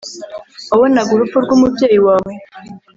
wabonaga urupfu rw umubyeyi wawe